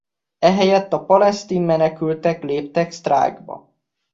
Ehelyett a palesztin menekültek léptek sztrájkba.